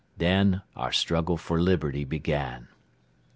Then our struggle for liberty began."